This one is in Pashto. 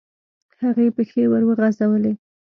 هغې پښې وروغځولې.